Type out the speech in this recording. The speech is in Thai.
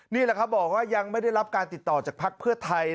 นี่ล่ะครับบอกว่ายังไม่ได้รับการติดต่อจากพักเพื่อไทยนะครับ